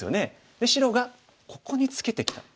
で白がここにツケてきた。